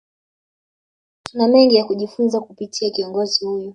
Tuna mengi ya kujifunza kupitia kiongozi huyu